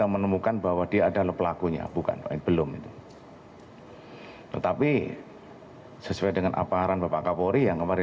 pukul dua belas siang